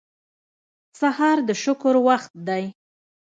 سهار د شکر وخت دی.